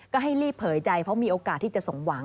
ก็ให้รีบเผยใจเพราะมีโอกาสที่จะสมหวัง